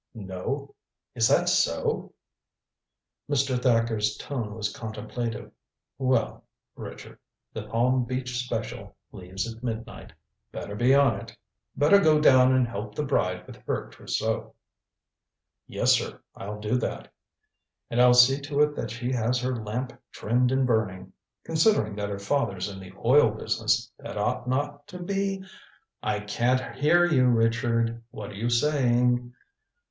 "No? Is that so?" Mr. Thacker's tone was contemplative. "Well, Richard, the Palm Beach Special leaves at midnight. Better be on it. Better go down and help the bride with her trousseau." "Yes, sir. I'll do that. And I'll see to it that she has her lamp trimmed and burning. Considering that her father's in the oil business, that ought not to be " "I can't hear you, Richard. What are you saying?"